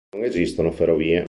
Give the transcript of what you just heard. Non esistono ferrovie.